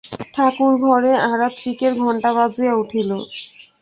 ঠাকুরঘরে আরাত্রিকের ঘণ্টা বাজিয়া উঠিল।